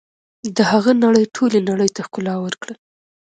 د هغه نړۍ ټولې نړۍ ته ښکلا ورکړه.